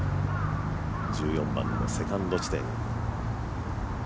１４番のセカンド地点。